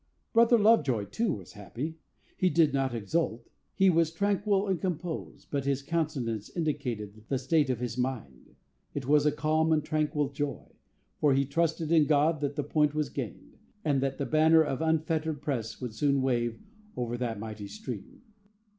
Brother Lovejoy, too, was happy. He did not exult; he was tranquil and composed, but his countenance indicated the state of his mind. It was a calm and tranquil joy, for he trusted in God that the point was gained: that the banner of an unfettered press would soon wave over that mighty stream.